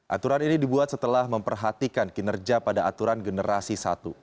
aturan ini dibuat setelah memperhatikan kinerja pada aturan generasi satu